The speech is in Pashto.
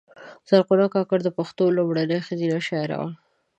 زرغونه کاکړه د پښتو لومړۍ ښځینه شاعره وه .